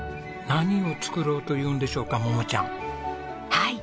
はい。